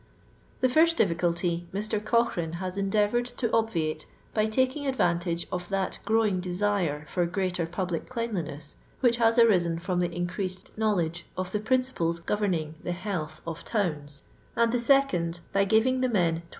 The first difficulty tfr. Cochrane has endea voured to obviate by taking advantage of that growing desire for greater public cleanliness which has arisen from the increased knowledge of the principles governing the health of towns; and the second, by giving the men 12«.